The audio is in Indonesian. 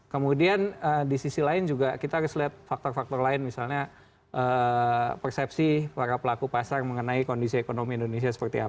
kemudian di sisi lain juga kita harus lihat faktor faktor lain misalnya persepsi para pelaku pasar mengenai kondisi ekonomi indonesia seperti apa